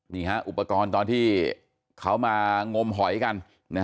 อุปกรณ์ตอนที่เขามางมหอยกัน